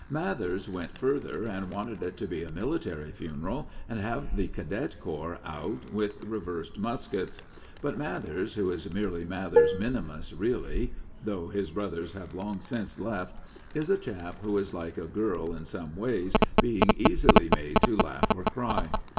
Mathers went further, and wanted it to be a military funeral and have the cadet corps out with reversed muskets; but Mathers, who is merely Mathers minimus really, though his brothers have long since left, is a chap who is like a girl in some ways, being easily made to laugh or cry.